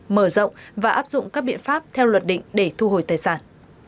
mở rộng và áp dụng các biện pháp theo luật định để thu hồi tài sản